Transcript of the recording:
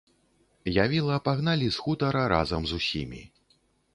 Я віла пагналі з хутара разам з усімі.